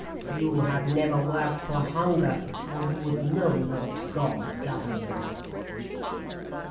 You have never worked for hunger, or you would know what god governs us."